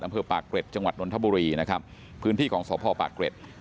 อำเภอปากเกร็ดจังหวัดนทบุรีนะครับพื้นที่ของสพปากเกร็ด